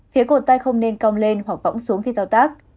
phía cột tay không nên cong lên hoặc võng xuống khi thao tác